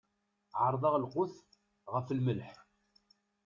Ɛerḍeɣ lqut ɣef lmelḥ.